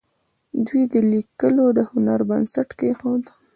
دوی د لیکلو د هنر بنسټ کېښود.